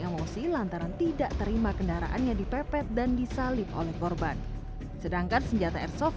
emosi lantaran tidak terima kendaraannya dipepet dan disalip oleh korban sedangkan senjata airsoft